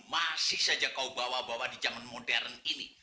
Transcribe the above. masih saja kau bawa bawa di zaman modern ini